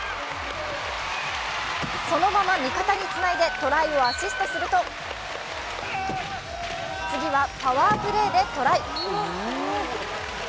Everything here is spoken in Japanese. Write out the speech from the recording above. そのまま味方につないでトライをアシストすると次はパワープレーでトライ。